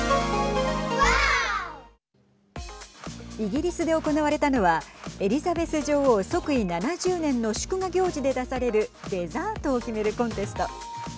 イギリスで行われたのはエリザベス女王即位７０年の祝賀行事で出されるデザートを決めるコンテスト。